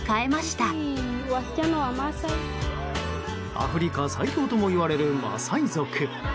アフリカ最強ともいわれるマサイ族。